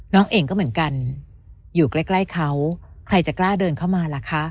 น้องเองก็เหมือนกันอยู่ใกล้เขาใครจะกล้าเดินเข้ามาล่ะคะ